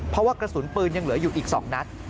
เพราะว่ากระสุนปืนยังเหลืออยู่อีก๒นัด